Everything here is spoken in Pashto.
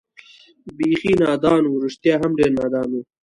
بېخي نادان و، رښتیا هم ډېر نادان و.